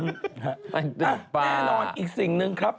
แน่นอนอีกสิ่งหนึ่งครับ